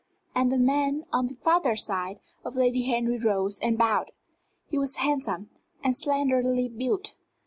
And the man on the farther side of Lady Henry rose and bowed. He was handsome, and slenderly built.